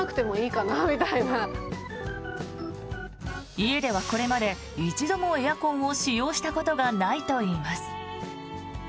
家では、これまで一度もエアコンを使用したことがないといいます。